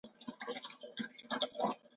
آیا دا زموږ هڅه نه ده؟